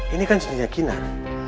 ini kan cincinnya kinar